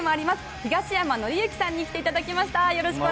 東山紀之さんに来ていただきました。